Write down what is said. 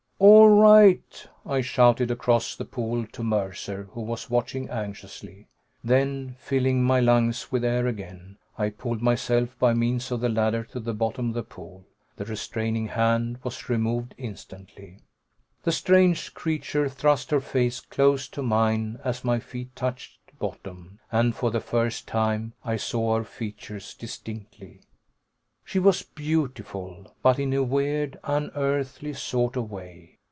"All right!" I shouted across the pool to Mercer, who was watching anxiously. Then, filling my lungs with air again, I pulled myself, by means of the ladder, to the bottom of the pool. The restraining hand was removed instantly. The strange creature thrust her face close to mine as my feet touched bottom, and for the first time I saw her features distinctly. She was beautiful, but in a weird, unearthly sort of way.